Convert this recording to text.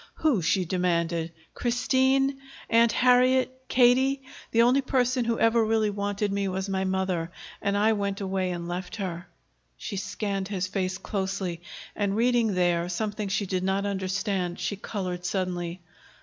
"Who?" she demanded. "Christine? Aunt Harriet? Katie? The only person who ever really wanted me was my mother, and I went away and left her!" She scanned his face closely, and, reading there something she did not understand, she colored suddenly.